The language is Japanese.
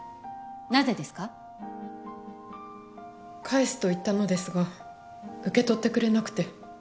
返すと言ったのですが受け取ってくれなくて。